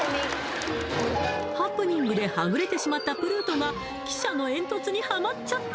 ハプニングではぐれてしまったプルートが汽車の煙突にハマっちゃった